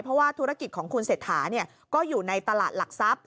เพราะว่าธุรกิจของคุณเศรษฐาก็อยู่ในตลาดหลักทรัพย์